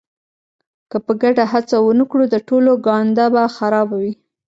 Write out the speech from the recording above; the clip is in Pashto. که په ګډه هڅه ونه کړو د ټولو ګانده به خرابه وي.